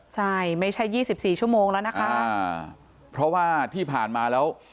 ใช่ไม่ใช่ยี่สิบสี่ชั่วโมงแล้วนะคะเพราะว่าที่ผ่านมาแล้ว